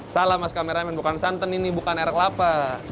salah mas kameramen bukan santan ini bukan erak kelapa